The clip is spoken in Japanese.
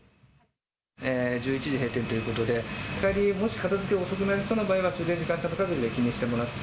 １１時閉店ということで、帰り、もし片づけが遅くなりそうな場合は、終電の時間を気にしてもらって。